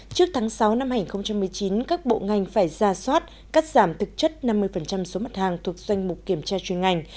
trước tháng sáu năm hai nghìn một mươi chín các bộ ngành phải ra soát cắt giảm thực chất năm mươi số mặt hàng thuộc doanh mục kiểm tra chuyên ngành